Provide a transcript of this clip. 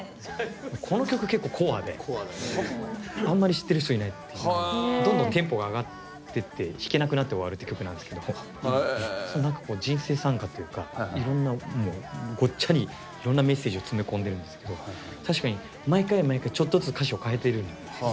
この曲結構コアであんまり知ってる人いないっていうかどんどんテンポが上がってって弾けなくなって終わるって曲なんですけど人生賛歌というかいろんなごっちゃりいろんなメッセージを詰め込んでるんですけど確かにれんくんすごいですよ